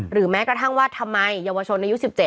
แม้กระทั่งว่าทำไมเยาวชนอายุ๑๗